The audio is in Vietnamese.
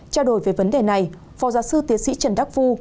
trao đổi về vấn đề này phó giáo sư tiến sĩ trần đắc phu